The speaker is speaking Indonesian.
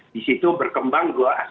di situ berkembang dua aspirasi